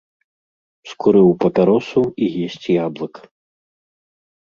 Скурыў папяросу і есць яблык.